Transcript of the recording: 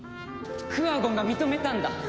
クワゴンが認めたんだ。